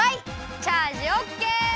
チャージオッケー！